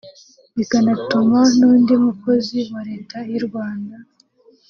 bikanatuma n’undi mukozi wa Leta y’u Rwanda